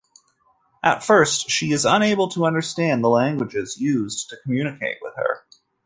At first, she is unable to understand the languages used to communicate with her.